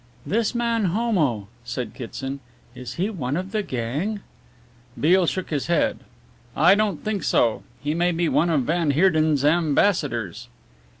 "This man Homo," said Kitson, "is he one of the gang?" Beale shook his head. "I don't think so. He may be one of van Heerden's ambassadors."